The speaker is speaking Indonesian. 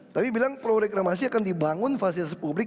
tapi bilang pro reklamasi akan dibangun fasilitas publik